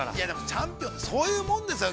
チャンピオンはそういうもんですよ。